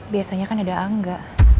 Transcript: biasanya kan ada angga